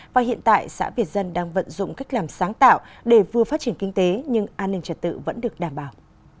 và hiện tại xã việt dân đang vận dụng cách làm sáng tạo để vừa phát triển kinh tế nhưng an ninh trật tự vẫn được đảm bảo